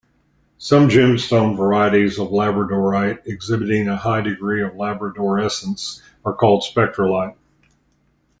Some gemstone varieties of labradorite exhibiting a high degree of labradorescence are called spectrolite.